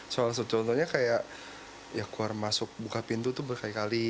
soal contohnya kayak keluar masuk buka pintu itu berkali kali